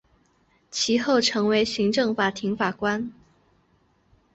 其后成为行政法庭法官。